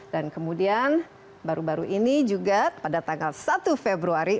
dan kemudian baru baru ini juga pada tanggal satu februari